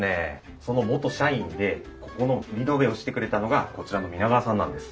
その元社員でここのリノベをしてくれたのがこちらの皆川さんなんです。